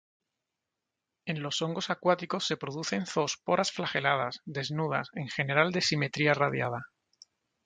En los hongos acuáticos se producen zoosporas flageladas, desnudas, en general de simetría radiada.